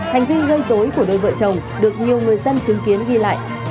hành vi nhăn dối của đôi vợ chồng được nhiều người dân chứng kiến ghi lại